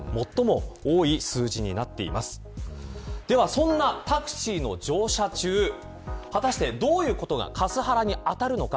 そんなタクシーの乗車中果たして、どういうことがカスハラに当たるのか。